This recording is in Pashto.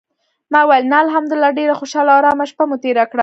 ما ویل: "نه، الحمدلله ډېره خوشاله او آرامه شپه مو تېره کړه".